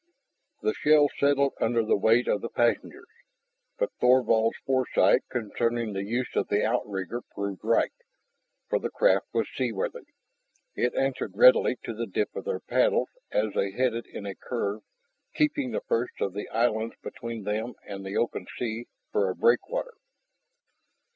The shell settled under the weight of the passengers, but Thorvald's foresight concerning the use of the outrigger proved right, for the craft was seaworthy. It answered readily to the dip of their paddles as they headed in a curve, keeping the first of the islands between them and the open sea for a breakwater.